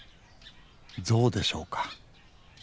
ゾウでしょうか？